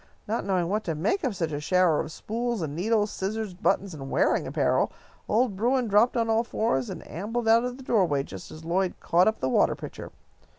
Not knowing what to make of such a shower of spools and needles, scissors, buttons, and wearing apparel, old Bruin dropped on all fours and ambled out of the doorway just as Lloyd caught up the water pitcher.